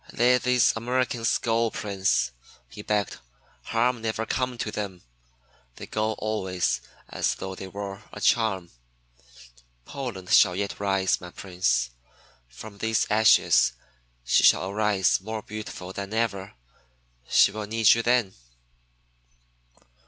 "Let these Americans go, Prince," he begged. "Harm never come to them. They go always as though they wore a charm. Poland shall yet rise, my Prince. From these ashes she shall arise more beautiful than ever. She will need you then."